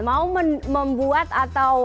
mau membuat atau